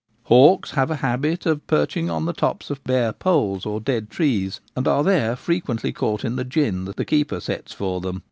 Boldness of Hawks. * 125 — Hawks have a habit of perching on the tops of bare poles or dead trees, and are there frequently caught in the gin the keeper sets for them.